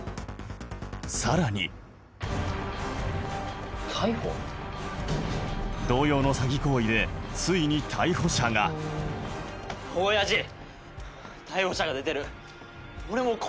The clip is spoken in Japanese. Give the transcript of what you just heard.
さらに同様の詐欺行為でついに逮捕者が何が大丈夫やねん！